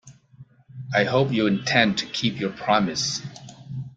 I hope you intend to keep your promise.